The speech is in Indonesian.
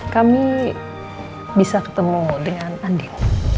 kami bisa ketemu dengan andi